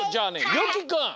よきくん！